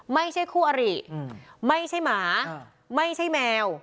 ไม่ใช่คู่อริไม่ใช่หมาไม่ใช่แมว